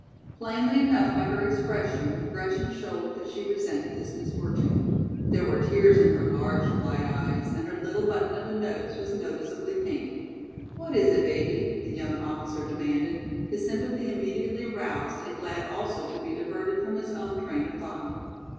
Plainly enough by her expression Gretchen showed that she resented this misfortune. There were tears in her large light eyes and her little button of a nose was noticeably pink. "What is it, baby?" the young officer demanded, his sympathy immediately aroused and glad also to be diverted from his own train of thought.